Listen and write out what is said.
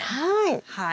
はい。